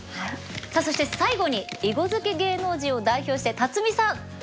さあそして最後に囲碁好き芸能人を代表して辰巳さん。